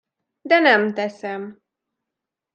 De nem teszem.